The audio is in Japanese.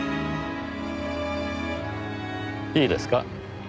いいですか。